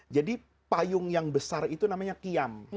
jadi payung yang besar itu namanya qiyam